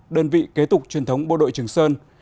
đơn vị kế tục truyền thống bộ đội trường sơn